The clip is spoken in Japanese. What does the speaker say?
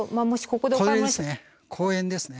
これですね。